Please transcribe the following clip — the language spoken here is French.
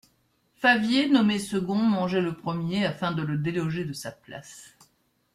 Favier, nommé second, mangeait le premier, afin de le déloger de sa place.